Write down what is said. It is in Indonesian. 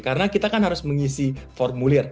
karena kita kan harus mengisi formulir